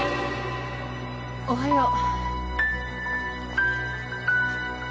おはよう。